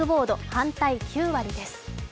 反対９割です。